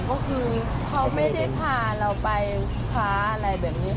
ก็คือเขาไม่ได้พาเราไปคว้าอะไรแบบนี้